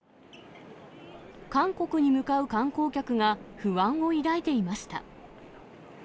韓国に向かう観光客が不安を抱いていました。